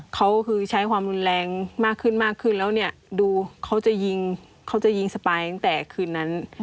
เขาคือใช้ความรุนแรงมากขึ้นแล้วดูเขาจะยิงสปายตั้งแต่คืนนั้น